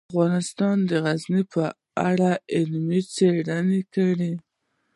افغانستان د غزني په اړه علمي څېړنې لري.